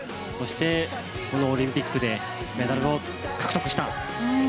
そして、このオリンピックでメダルを獲得した。